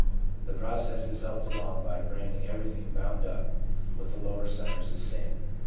The pro cess is helped along by branding everything bound up with the lower centres as sin.